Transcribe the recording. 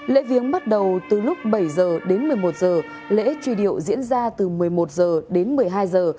lễ viếng bắt đầu từ lúc bảy giờ đến một mươi một giờ lễ truy điệu diễn ra từ một mươi một giờ đến một mươi hai giờ